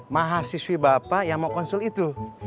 mahasiswi bapak yang mau konsul itu